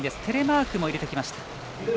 テレマークも入れてきました。